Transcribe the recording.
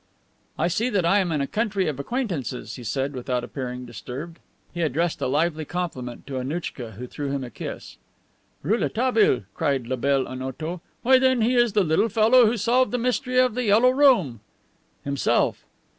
"I see that I am in a country of acquaintances," he said, without appearing disturbed. He addressed a lively compliment to Annouchka, who threw him a kiss. "Rouletabille!" cried la belle Onoto. "Why, then, he is the little fellow who solved the mystery of the Yellow Room." "Himself."